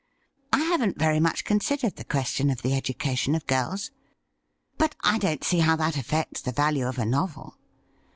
I haven't very much considered the question of the education of girls. But I don't see how that affects the value of a novel.